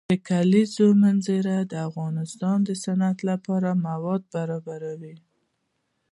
د کلیزو منظره د افغانستان د صنعت لپاره مواد برابروي.